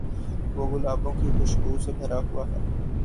وہ گلابوں کی خوشبو سے بھرا ہوا ہے۔